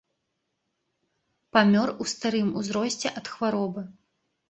Памёр у старым узросце ад хваробы.